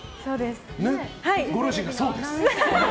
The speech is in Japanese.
ご両親が、そうです。